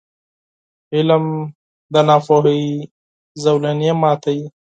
• علم، د ناپوهۍ زولنې ماتوي.